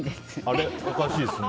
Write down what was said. あれ、おかしいですね。